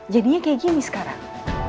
jadinya kayak gini sekarang